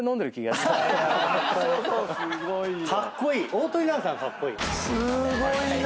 すごいな！